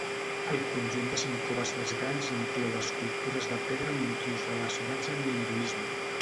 El conjunt de cinc coves més grans inclou escultures de pedra amb motius relacionats amb l'hinduisme.